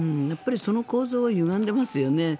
その構造はゆがんでいますよね。